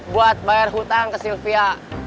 buat bayar hutang ke sylvia